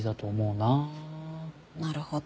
なるほど。